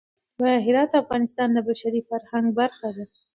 جواهرات د افغانستان د بشري فرهنګ برخه ده.